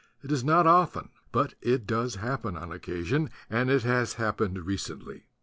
It is not often but it does happen on occasion; and it has happened recently.